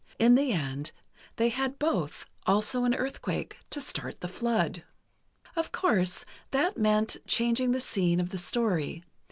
In the end, they had both, also an earthquake—to start the flood. Of course, that meant changing the scene of the story.